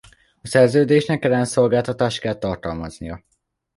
A szerződésnek ellenszolgáltatást kell tartalmaznia.